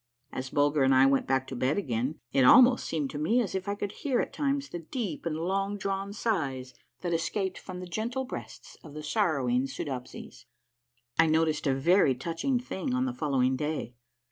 As Bulger and I went back to bed again, it almost seemed to me as if I could hear at times the deep and long drawn sighs that escaped from the gentle breasts of the sorrowing Soodopsies. I noticed a very touching thing on the following day.